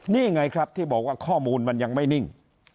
นี่ไงครับที่บอกว่าข้อมูลมันยังไม่นิ่ง